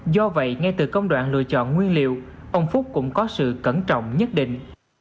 do vậy ngay từ công đoạn lựa chọn nguyên liệu ông phúc cũng có sự cẩn trọng nhất định